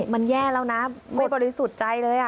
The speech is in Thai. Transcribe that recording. มันแย่แล้วนะไม่บริสุทธิ์ใจเลย